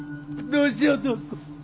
どうしよう徳子！